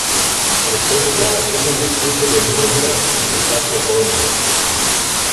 Prestó declaración en el Juicio de Nuremberg, en el caso "Bormann".